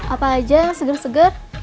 apa aja seger seger